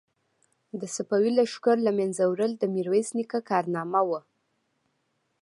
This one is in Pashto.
د صفوي لښکر له منځه وړل د میرویس نیکه کارنامه وه.